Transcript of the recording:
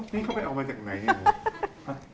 นี่เขาไปเอามาจากไหนอ่ะ